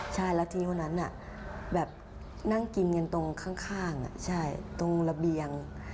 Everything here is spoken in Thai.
ใช่แล้วทีวันนั้นแบบนั่งกินกันตรงข้างตรงระเบียง